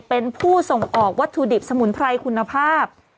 เป็นผู้ส่งออกวัตถุดิบสมุนไพรคุณภาพ